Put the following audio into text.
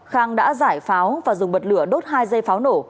khang đã giải pháo và dùng bật lửa đốt hai dây pháo nổ